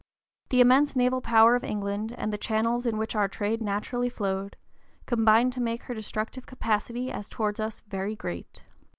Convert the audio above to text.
The immense naval power of England and the channels in which our trade naturally flowed combined to make her destructive capacity as towards us very great.